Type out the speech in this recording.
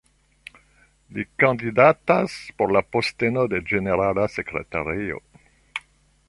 Li kandidatas por la posteno de ĝenerala sekretario.